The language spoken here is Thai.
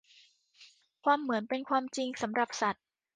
ความเหมือนเป็นความจริงสำหรับสัตว์